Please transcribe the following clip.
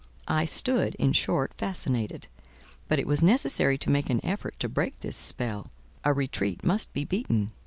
I stood, in short, fascinated; but it was necessary to make an effort to break this spell a retreat must be beaten.